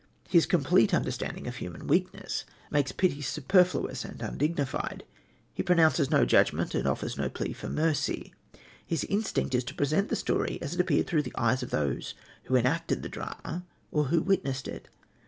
His complete understanding of human weakness makes pity superfluous and undignified. He pronounces no judgment and offers no plea for mercy. His instinct is to present the story as it appeared through the eyes of those who enacted the drama or who witnessed it.